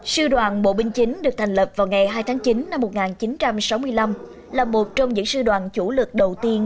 sư đoàn bộ binh chính được thành lập vào ngày hai tháng chín năm một nghìn chín trăm sáu mươi năm là một trong những sư đoàn chủ lực đầu tiên